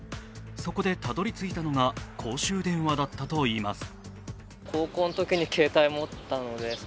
そこでたどり着いたのが公衆電話だったといいます。